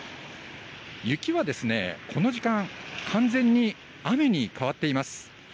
雪はこの時間、完全に雨に変わっています。